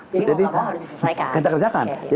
jadi mau apa apa harus diselesaikan